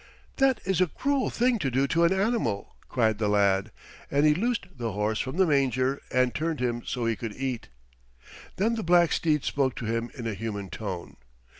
"That is a cruel thing to do to an animal," cried the lad, and he loosed the horse from the manger and turned him so he could eat. Then the black steed spoke to him in a human tone.